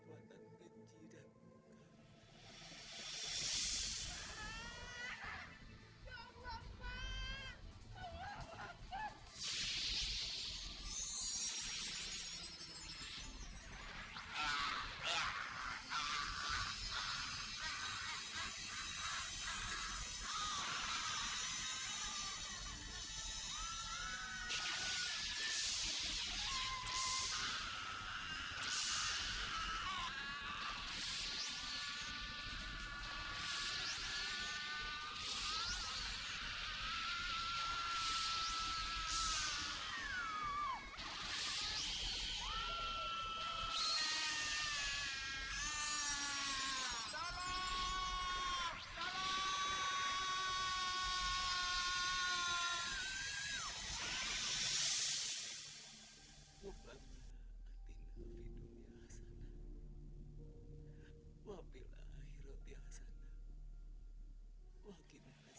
ya pak silakan masuk